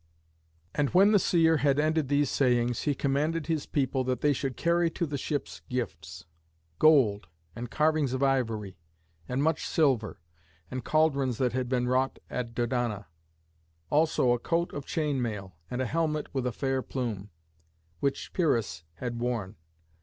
And when the seer had ended these sayings he commanded his people that they should carry to the ships gifts: gold, and carvings of ivory, and much silver, and caldrons that had been wrought at Dodona; also a coat of chain mail, and a helmet with a fair plume, which Pyrrhus had worn.